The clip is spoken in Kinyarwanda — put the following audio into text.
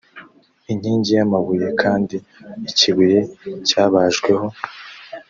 inkingi y amabuye kandi ikibuye cyabajweho